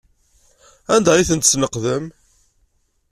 Anda ay tent-tesneqdem?